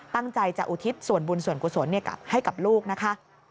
ตั้งใจจะอุทิศส่วนบุญส่วนกุศลให้กับลูกนะคะ